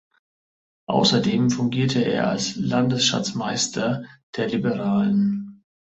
Außerdem fungierte er als Landesschatzmeister der Liberalen.